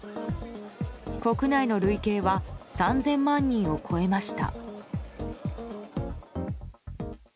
国内の累計は３０００万人を超えました。